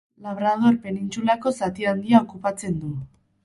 Labrador penintsulako zati handia okupatzen du.